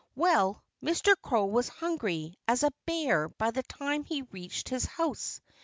Well, Mr. Crow was hungry as a bear by the time he reached his house.